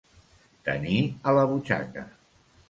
Tenir a la butxaca.